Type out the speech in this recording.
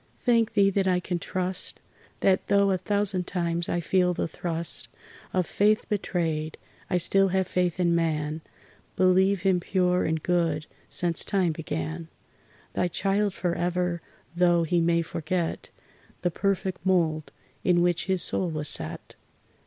Thank Thee that I can trust! That though a thousand times I feel the thrust Of faith betrayed, I still have faith in man, Believe him pure and good since time began Thy child forever, though he may forget The perfect mould in which his soul was set.